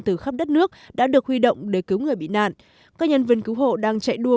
từ khắp đất nước đã được huy động để cứu người bị nạn các nhân viên cứu hộ đang chạy đua